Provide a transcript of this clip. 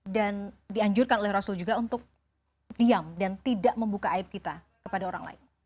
dan dianjurkan oleh rasul juga untuk diam dan tidak membuka aib kita kepada orang lain